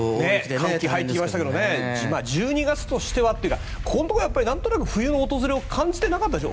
寒気入ってきましたけど１２月としてはというか冬の訪れを感じていなかったでしょ？